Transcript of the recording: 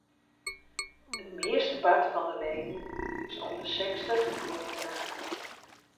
It meastepart fan de leden is om de sechstich jier hinne.